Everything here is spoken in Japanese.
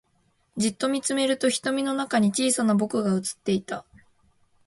じっと見つめると瞳の中に小さな僕が映っていた